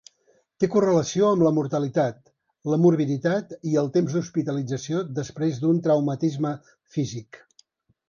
Té correlació amb la mortalitat, la morbiditat i el temps d'hospitalització després d'un traumatisme físic.